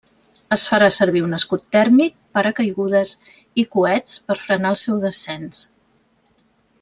Es farà servir un escut tèrmic, paracaigudes i coets per frenar el seu descens.